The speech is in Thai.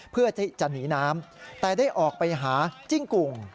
เพื่อจะหนีน้ำแต่ได้ออกไปหาจิ้งกุ่ง